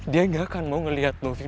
dia gak akan mau ngeliat movie